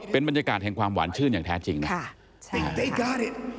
เป็นบรรยากาศแห่งความหวานชื่นอย่างแท้จริงค่ะ